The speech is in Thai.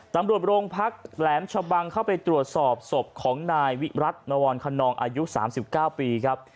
ตำรวจโรงพักแหลมชะบังเข้าไปตรวจสอบศพของนายวิรัตินวรคนนองอายุ๓๙ปีครับ